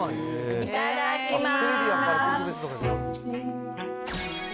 いただきます。